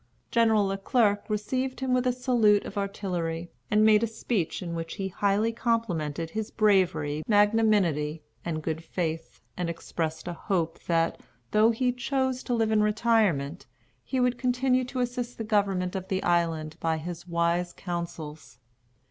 General Le Clerc received him with a salute of artillery, and made a speech in which he highly complimented his bravery, magnanimity, and good faith, and expressed a hope that, though he chose to live in retirement, he would continue to assist the government of the island by his wise counsels.